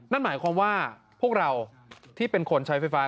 นั่นหมายความว่าพวกเราที่เป็นคนใช้ไฟฟ้า